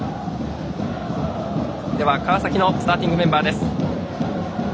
川崎のスターティングメンバーです。